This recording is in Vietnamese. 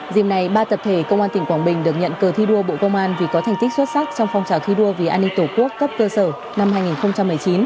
dìm này ba tập thể công an tỉnh quảng bình được nhận cờ thi đua bộ công an vì có thành tích xuất sắc trong phong trào thi đua vì an ninh tổ quốc cấp cơ sở năm hai nghìn một mươi chín